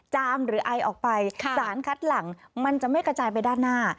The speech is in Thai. หรือไอออกไปสารคัดหลังมันจะไม่กระจายไปด้านหน้า